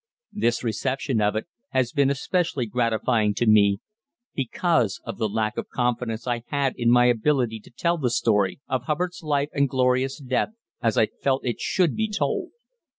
This reception of it has been especially gratifying to me because of the lack of confidence I had in my ability to tell the story of Hubbard's life and glorious death as I felt it should be told.